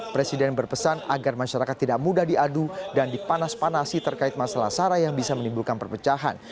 presiden berpesan agar masyarakat tidak mudah diadu dan dipanas panasi terkait masalah sara yang bisa menimbulkan perpecahan